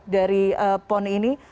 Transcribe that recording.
dari pon ini